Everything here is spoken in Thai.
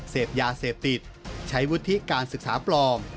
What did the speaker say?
เสพยาเสพติดใช้วุฒิการศึกษาปลอม